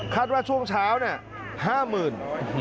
คัดว่าช่วงเช้า๕หมื่น